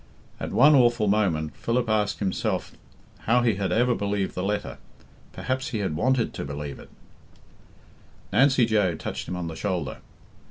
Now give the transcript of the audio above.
At one awful moment Philip asked himself how he had ever believed the letter. Perhaps he had wanted to believe it. Nancy Joe touched him on the shoulder.